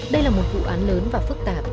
đây là một vụ án lớn và phức tạp